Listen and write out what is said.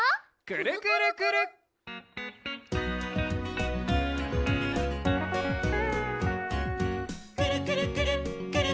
「くるくるくるっくるくるくるっ」